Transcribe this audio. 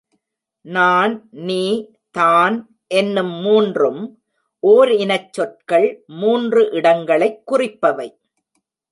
நான், நீ, தான் என்னும் மூன்றும் ஓர் இனச் சொற்கள் மூன்று இடங்களைக் குறிப்பவை.